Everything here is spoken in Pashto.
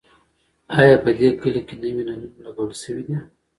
ایا په دې کلي کې نوي نلونه لګول شوي دي؟